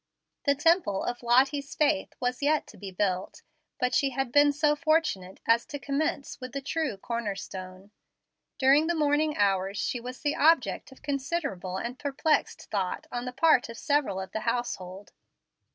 The temple of Lottie's faith was yet to be built; but she had been so fortunate as to commence with the true "corner stone." During the morning hours she was the object of considerable and perplexed thought on the part of several of the household.